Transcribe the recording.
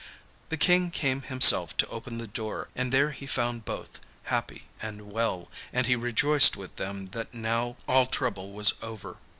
The King came himself to open the door, and there he found both happy and well, and he rejoiced with them that now all trouble was over.